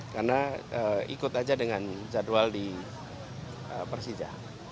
karena ikut saja dengan jadwal di persija